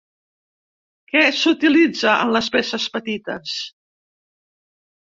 Què s'utilitza en les peces petites?